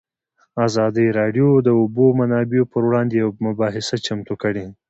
ازادي راډیو د د اوبو منابع پر وړاندې یوه مباحثه چمتو کړې.